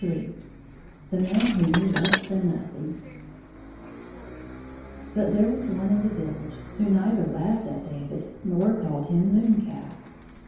12 ni The Man who Knew Less Than Nothing BUT there was one In the village who neither laughed at David nor called him moon calf.